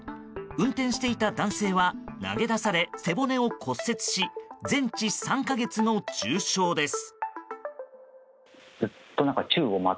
運転していた男性は投げ出され背骨を骨折し全治３か月の重傷です。